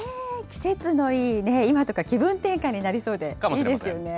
季節のいい今とか気分転換になりそうでいいですよね。